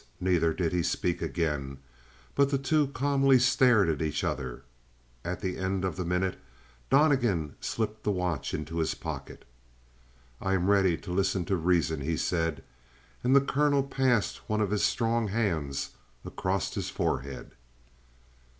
Neither did he speak again, but the two calmly stared at each other. At the end of the minute, Donnegan slipped the watch into his pocket. "I am ready to listen to reason," he said. And the colonel passed one of his strong hands across his forehead.